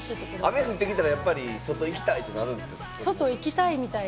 雨降ってきたら、外行きたいってなるんですか？